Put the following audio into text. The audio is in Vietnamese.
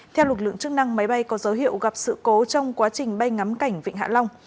theo lực lượng chức năng máy bay có dấu hiệu gặp sự cố trong quá trình bay ngắm cảnh vịnh hạ long